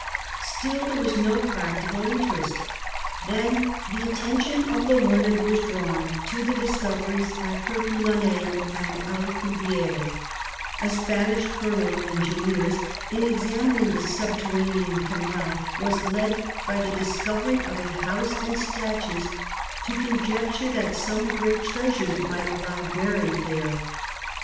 Still there was no practical interest. Then the attention of the learned was drawn to the discoveries at Herculaneum; and Alcubierre, a Spanish colonel of engineers, in examining the subterranean canal, was led by the discovery of a house and statues to conjecture that some great treasures might lie buried there.